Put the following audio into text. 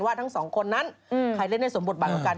ว่าทั้งสองคนนั้นใครเล่นในสมบทบันกัน